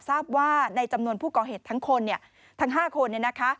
ทราบว่าในจำนวนผู้ก่อเหตุทั้งคนทั้ง๕คน